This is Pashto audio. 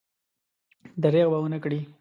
درېغ به ونه کړي.